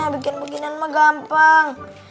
bikin beginian mah gampang